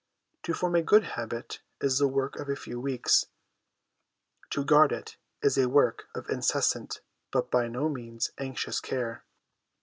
To form a good habit is the work of a few weeks; to guard it is a work of incessant, but by no means anxious care.